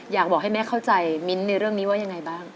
อยากบอกให้แม่เข้าใจมิ้นท์ในเรื่องนี้ว่ายังไงบ้าง